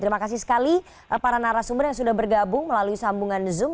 terima kasih sekali para narasumber yang sudah bergabung melalui sambungan zoom